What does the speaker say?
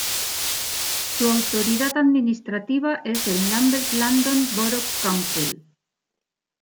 Su autoridad administrativa es el Lambeth London Borough Council.